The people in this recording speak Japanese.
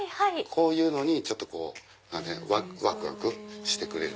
こういうのにわくわくしてくれる。